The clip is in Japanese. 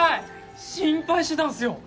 心配してたんすよ！